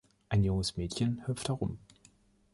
Ein junges Mädchen hüpft herum.